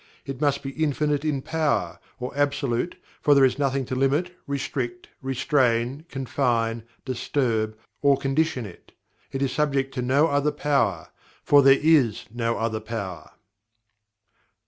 It must be Infinite in Power, or Absolute, for there is nothing to limit, restrict, restrain, confine, disturb or condition it it is subject to no other Power, for there is no other Power.